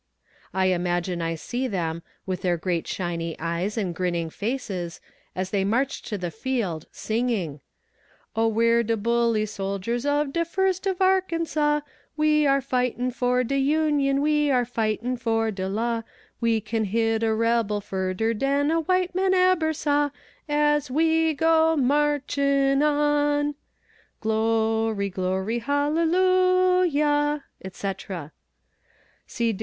I imagine I see them, with their great shiny eyes and grinning faces, as they march to the field, singing Oh! we're de bully soldiers of de "First of Arkansas," We are fightin' for de Union, we are fightin' for de law, We can hit a rebel furder dan a white man eber saw, As we go marchin' on: Glory, glory, hallelujah, etc. See dar!